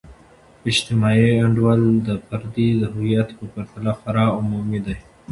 اجتماعي انډول د فرد د هویت په پرتله خورا عمومی دی.